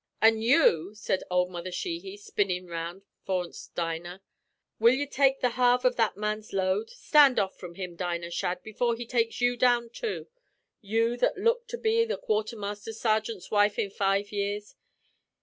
"'An' you!' said ould Mother Sheehy, spinnin' round forninst Dinah. 'Will ye take the half av that man's load? Stand off from him, Dinah Shadd, before he takes you down too you that look to be a quarthermaster sergint's wife in five years.